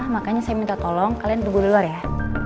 makanya saya minta tolong kalian tunggu di luar ya